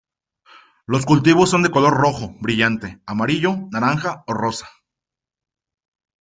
Los cultivos son de color rojo brillante, amarillo, naranja o rosa.